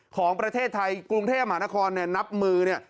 ของประเทศไทยกรุงเทพมหานครเนี่ยนับมือเนี่ย